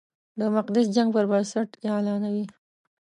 د مقدس جنګ پر بنسټ اعلانوي.